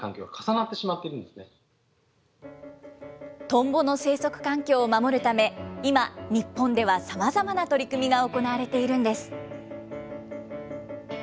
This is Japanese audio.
トンボの生息環境を守るため、今、日本ではさまざまな取り組みが行われているんです。